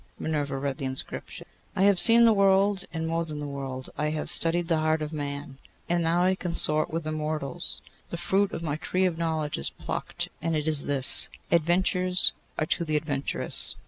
Minerva read the inscription: _I HAVE SEEN THE WORLD, AND MORE THAN THE WORLD: I HAVE STUDIED THE HEART OF MAN, AND NOW I CONSORT WITH IMMORTALS. THE FRUIT OF MY TREE OF KNOWLEDGE IS PLUCKED, AND IT IS THIS, 'Adventures are to the Adventurous.